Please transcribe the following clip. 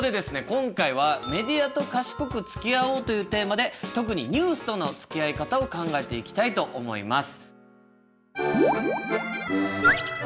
今回は「メディアとかしこくつきあおう」というテーマで特にニュースとのつきあい方を考えていきたいと思います。